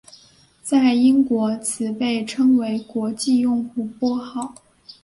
在英国此被称为国际用户拨号。